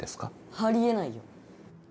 あり得ないよ。